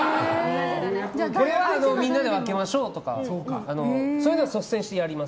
これはみんなで分けましょうとかそういうのは率先してやります